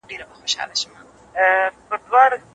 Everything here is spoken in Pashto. ښځه پخپل شخصي او خالص حق کي تصرف کولای سي.